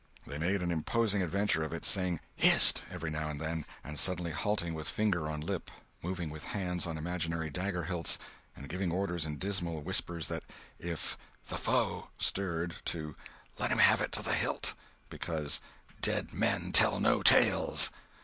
They made an imposing adventure of it, saying, "Hist!" every now and then, and suddenly halting with finger on lip; moving with hands on imaginary dagger hilts; and giving orders in dismal whispers that if "the foe" stirred, to "let him have it to the hilt," because "dead men tell no tales."